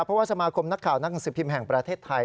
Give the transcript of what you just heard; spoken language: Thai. เพราะว่าสมาคมนักข่าวนักหนังสือพิมพ์แห่งประเทศไทย